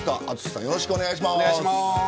淳さん、よろしくお願いします。